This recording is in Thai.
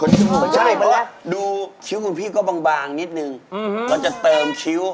ขนจมูกใช่ป่ะดูคิ้วของพี่ก็บางนิดหนึ่งเราจะเติมคิ้ว